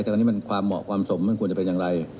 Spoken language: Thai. แต่วันนี้มันความเหมาะความสมมันควรจะเป็นอย่างไร